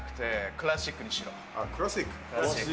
クラシック？